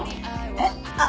えっあっ